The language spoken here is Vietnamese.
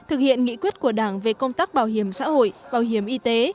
thực hiện nghị quyết của đảng về công tác bảo hiểm xã hội bảo hiểm y tế